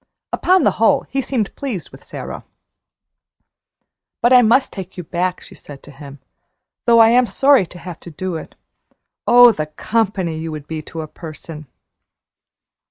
Upon the whole, he seemed pleased with Sara. "But I must take you back," she said to him, "though I'm sorry to have to do it. Oh, the company you would be to a person!"